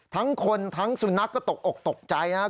ทั้งคนทั้งสุนัขก็ตกอกตกใจนะครับ